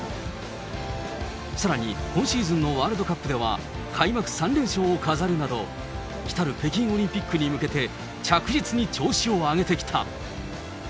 さらに、今シーズンのワールドカップでは、開幕３連勝を飾るなど、来たる北京オリンピックに向けて、着実に調子を上げてきた。